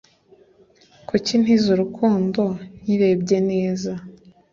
Kuki ntize urukundo nkirebye neza